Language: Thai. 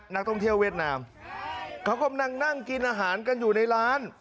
นักท่องเที่ยวเวียดนามเขากำลังนั่งกินอาหารกันอยู่ในร้าน